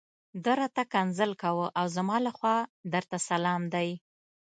ته راته ښکنځل کوه او زما لخوا درته سلام دی.